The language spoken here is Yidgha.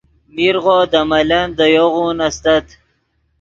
میرغو دے ملن دے یوغون استت